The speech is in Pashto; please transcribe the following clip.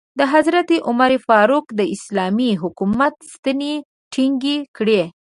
حضرت عمر فاروق د اسلامي حکومت ستنې ټینګې کړې.